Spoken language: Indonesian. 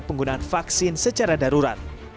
penggunaan vaksin secara darurat